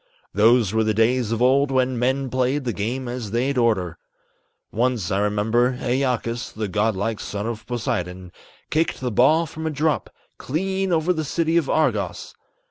Those were the days of old when men played the game as they'd orter. Once, I remember, Æacus, the god like son of Poseidon, Kicked the ball from a drop, clean over the city of Argos.